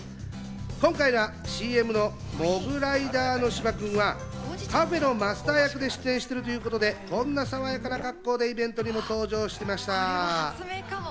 今回のＣＭでモグライダーの芝君はカフェのマスター役で出演しているということで、こんなさわやかな格好でイベントにも登場しました。